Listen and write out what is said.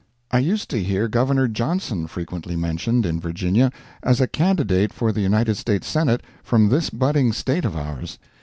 I used to hear Governor Johnson frequently mentioned in Virginia as a candidate for the United States Senate from this budding State of ours.